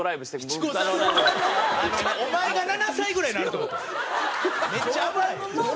お前が７歳ぐらいになるって事？